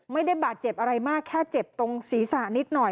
ไม่ได้บาดเจ็บอะไรมากแค่เจ็บตรงศีรษะนิดหน่อย